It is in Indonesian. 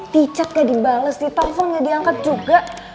ticet gak dibales ditelepon gak diangkat juga